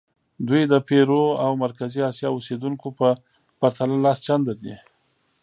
دوی د پیرو او مرکزي امریکا اوسېدونکو په پرتله لس چنده دي.